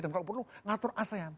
dan kalau perlu ngatur asean